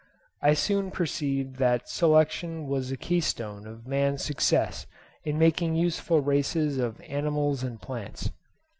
I soon perceived that selection was the keystone of man's success in making useful races of animals and plants.